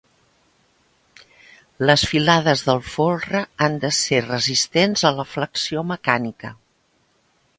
Les filades del folre han de ser resistents a la flexió mecànica.